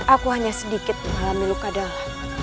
aku hanya sedikit mengalami luka dalam